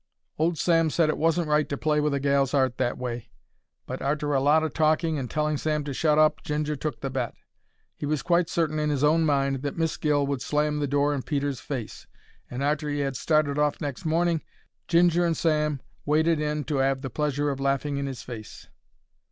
Old Sam said it wasn't right to play with a gal's 'art in that way, but arter a lot o' talking and telling Sam to shut up, Ginger took the bet. He was quite certain in his own mind that Miss Gill would slam the door in Peter's face, and arter he 'ad started off next morning, Ginger and Sam waited in to 'ave the pleasure of laughing in 'is face.